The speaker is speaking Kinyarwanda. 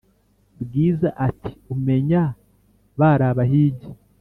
bwiza ati"umenya barabahigi